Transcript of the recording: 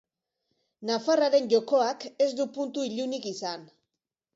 Nafarraren jokoak ez du puntu ilunik izan.